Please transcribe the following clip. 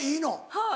はい。